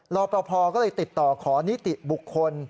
รอปภก็เลยติดต่อขอนิติบุคคล